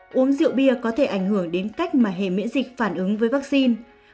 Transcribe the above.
uống rượu bia có thể ảnh hưởng đến cách mà hệ miễn dịch phản ứng với vaccine